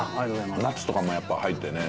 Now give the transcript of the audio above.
ナッツとかも入ってね